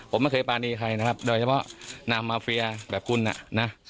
ผมไม่เคยฟารีใครนะครับโดยเฉพาะนานมอเฟียร์แบบคุณ